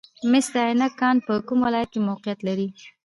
د مس عینک کان په کوم ولایت کې موقعیت لري؟